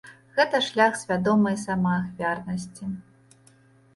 Гэта шлях свядомай самаахвярнасці.